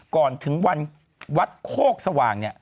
ก่อนถึงวันวัดโคกสว่างเนี่ย